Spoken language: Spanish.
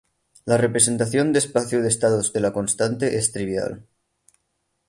La representación de espacio de estados de la constante es trivial.